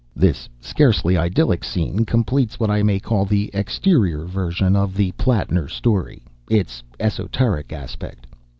This scarcely idyllic scene completes what I may call the exterior version of the Plattner story its exoteric aspect.